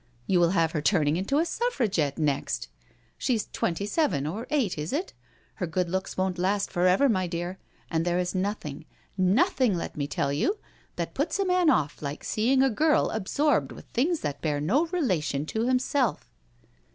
You will have her turning into a Suffragette next I She is twenty seven, or eight, is it? Her good looks won't last for ever, my dear, and there is nothing — nothing, let me tell you — that puts' a man off like seeing a girl absorbed with things that bear no relation to himself."